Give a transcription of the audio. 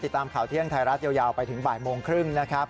ติดตามข่าวเที่ยงไทยรัฐยาวไปถึงบ่ายโมงครึ่งนะครับ